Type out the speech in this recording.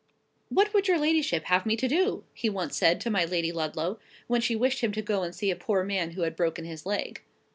"What would your ladyship have me to do?" he once said to my Lady Ludlow, when she wished him to go and see a poor man who had broken his leg.